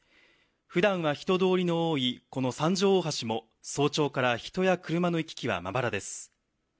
ふだんは人通りの多いこの三条大橋も早朝から人や車の行き来はまばらです。